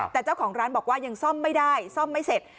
แต่เจ้าของร้านบอกว่ายังซ่อมไม่ได้ซ่อมไม่เสร็จ